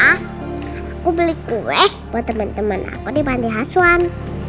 aku beli kue buat temen temen aku di panti aswan